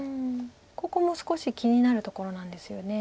ここも少し気になるところなんですよね。